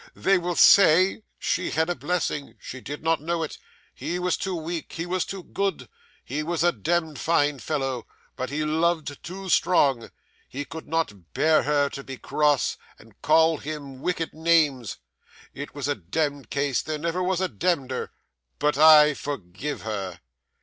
They will say, "She had a blessing. She did not know it. He was too weak; he was too good; he was a dem'd fine fellow, but he loved too strong; he could not bear her to be cross, and call him wicked names. It was a dem'd case, there never was a demder." But I forgive her.